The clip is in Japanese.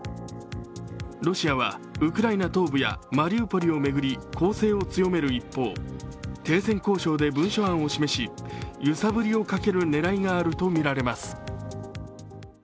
ロシアはウクライナ東部やマリウポリを巡り攻勢を強める一方停戦交渉で文書案を示し揺さぶりをかける狙いがあるとみられます。